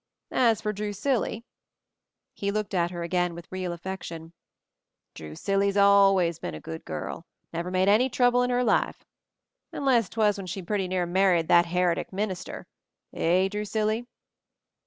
As for Drusilly —" he looked at her again with real affection, "Drusilly 's always been a good girl — never made any trouble in her life. Unless 'twas when she pretty near married that heretic minister — eh, Drusilly?"